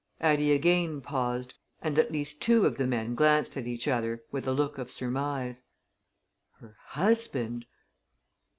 Addie again paused, and at least two of the men glanced at each other with a look of surmise. Her husband!